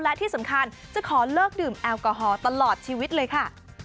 และที่สำคัญจะขอเลิกดื่มแอลกอฮอลตลอดชีวิตเลยค่ะ